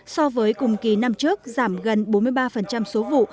so với cùng kỳ năm trước giảm gần bốn mươi ba số vụ